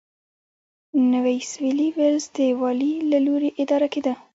نوی سوېلي ویلز د والي له لوري اداره کېده.